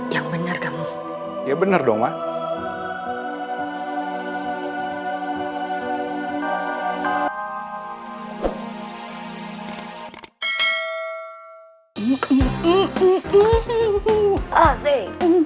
yang bener kamu ya bener dong